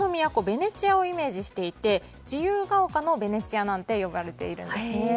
ベネチアをイメージしていて自由が丘のベネチアなんて呼ばれているんですね。